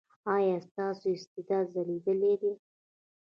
ایا ستاسو استعداد ځلیدلی دی؟